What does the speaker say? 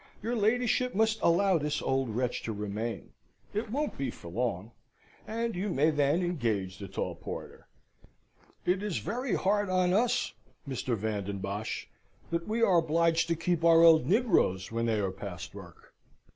"Your ladyship must allow this old wretch to remain. It won't be for long. And you may then engage the tall porter. It is very hard on us, Mr. Van den Bosch, that we are obliged to keep our old negroes when they are past work.